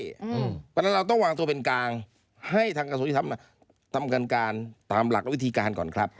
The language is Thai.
เพราะฉะนั้นเราต้องวางตัวเป็นกลางให้ทางกระทรวงยุทธรรมทำการตามหลักและวิธีการก่อนครับ